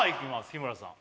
日村さん